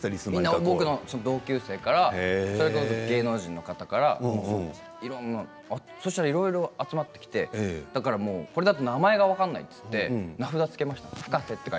僕の同級生からそれこそ芸能人の方からそうしたらいろいろ集まってきてこれだと名前が分からないと言って名札を付けました。